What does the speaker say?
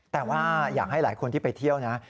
แต่ว่าอยากให้หลายคนที่ไปเที่ยวนะ